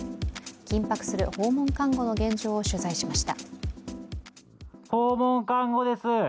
緊迫する訪問看護の現状を取材しました。